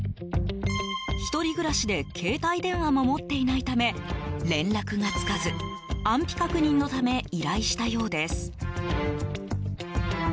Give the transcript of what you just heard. １人暮らしで携帯電話も持っていないため連絡がつかず、安否確認のため依頼したようです。